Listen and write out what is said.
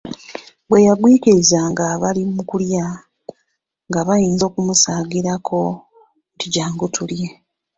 Bwe yagwikirizanga nga bali mu kulya nga bayinza okumusaagirako nti, " jjangu tulye ".